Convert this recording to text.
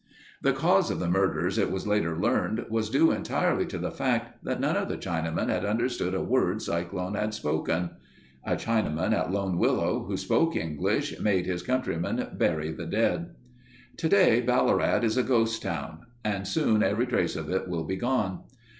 The cause of the murders, it was later learned, was due entirely to the fact that none of the Chinamen had understood a word Cyclone had spoken. A Chinaman at Lone Willow, who spoke English made his countrymen bury the dead. Today Ballarat is a ghost town and soon every trace of it will be gone.